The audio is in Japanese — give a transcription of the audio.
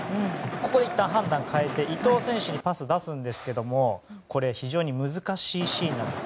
ここでいったん、判断を変えて伊東選手にパスを出しますがこれ、非常に難しいシーンなんです。